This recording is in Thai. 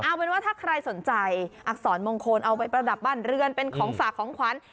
เอาเป็นว่าถ้าใครสนใจอักษรมงคลเอาไปประดับบ้านเรือนเป็นของฝากของขวัญ